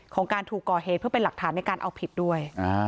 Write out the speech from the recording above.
ของการถูกก่อเหตุเพื่อเป็นหลักฐานในการเอาผิดด้วย